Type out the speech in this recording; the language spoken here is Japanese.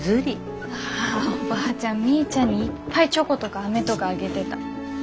ああおばあちゃんみーちゃんにいっぱいチョコとかあめとかあげてた。